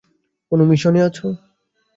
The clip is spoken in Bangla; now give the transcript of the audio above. কোনো মিশনে আছো?